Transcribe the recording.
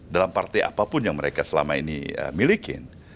dalam partai apapun yang mereka selama ini milikin